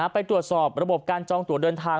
ไปตรวจสอบระบบการจองตัวเดินทาง